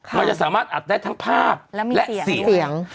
มันจะสามารถแอดแท็กทั้งภาพและเสียง